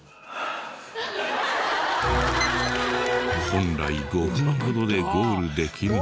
本来５分ほどでゴールできるのに。